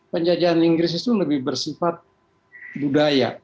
penjajahan inggris itu lebih bersifat budaya